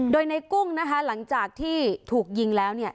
โดยในกุ้งนะคะหลังจากที่ถูกยิงแล้ว